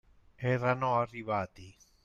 Erano arrivati.